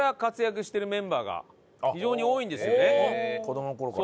子供の頃から。